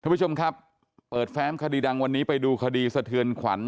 ผู้ชมครับเปิดแฟ้มคดีดังวันนี้ไปดูคดีสะเทือนขวัญ